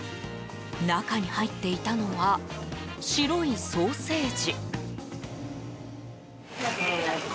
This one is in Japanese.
中に入っていたのは白いソーセージ。